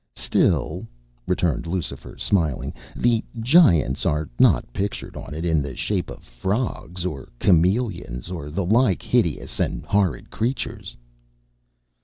"Still," returned Lucifer, smiling, "the Giants are not pictured on it in the shape of frogs or chameleons or the like hideous and horrid creatures."